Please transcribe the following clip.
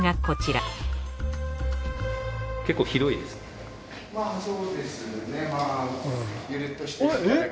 こちら結構広いですね。